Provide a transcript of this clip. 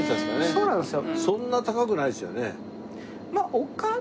そうなんですよ。